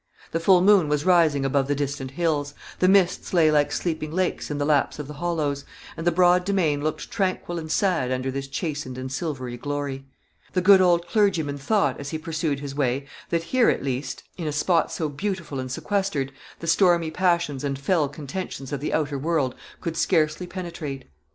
The full moon was rising above the distant hills; the mists lay like sleeping lakes in the laps of the hollows; and the broad demesne looked tranquil and sad under this chastened and silvery glory. The good old clergyman thought, as he pursued his way, that here at least, in a spot so beautiful and sequestered, the stormy passions and fell contentions of the outer world could scarcely penetrate.